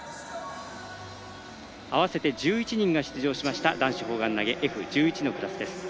合わせて１１人が出場しました男子砲丸投げＦ１１のクラスです。